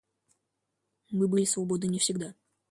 Мы были свободны не всегда.